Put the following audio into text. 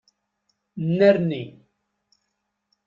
Nnerni.